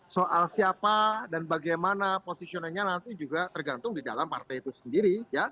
soal siapa dan bagaimana positioningnya nanti juga tergantung di dalam partai itu sendiri